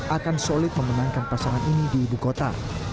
akan solid memenangkan pasangan ini di ibu kota